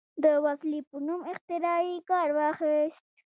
د وسلې په نوم اختراع یې کار واخیست.